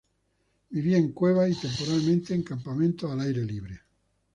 Vivía en cuevas y temporalmente en campamentos al aire libre.